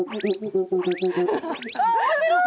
面白い！